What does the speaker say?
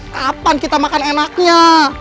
kapan kita makan enaknya